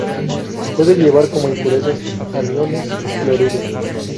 Puede llevar como impureza aniones cloruro.